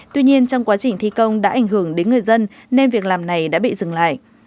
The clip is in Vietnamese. tuy nhiên trong quá trình thi công đã ảnh hưởng đến người dân nên việc làm này đã bị dừng lại